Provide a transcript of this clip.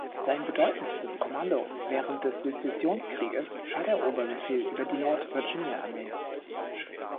Sein bedeutendstes Kommando während des Sezessionskriegs war der Oberbefehl über die Nord-Virginia-Armee.